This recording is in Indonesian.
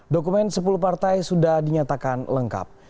dokumen sepuluh partai sudah dinyatakan lengkap